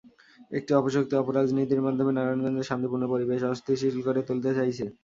একটি অপশক্তি অপরাজনীতির মাধ্যমে নারায়ণগঞ্জের শান্তিপূর্ণ পরিবেশ অস্থিতিশীল করে তুলতে চাইছে।